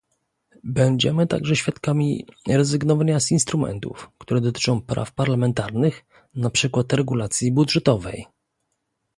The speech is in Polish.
Będziemy także świadkami rezygnowania z instrumentów, które dotyczą praw parlamentarnych, na przykład regulacji budżetowej